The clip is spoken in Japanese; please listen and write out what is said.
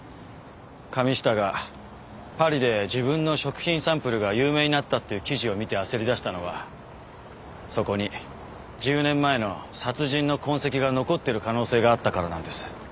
神下がパリで自分の食品サンプルが有名になったっていう記事を見て焦り出したのはそこに１０年前の殺人の痕跡が残っている可能性があったからなんです。